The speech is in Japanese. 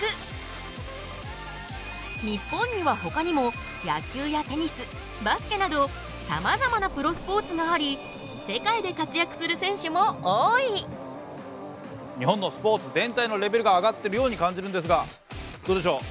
日本にはほかにも野球やテニスバスケなどさまざまなプロスポーツがあり日本のスポーツ全体のレベルが上がってるように感じるんですがどうでしょう。